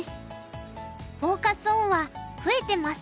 フォーカス・オンは「増えてます！